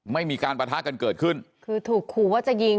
ไม่มีการปะทะกันเกิดขึ้นคือถูกขู่ว่าจะยิง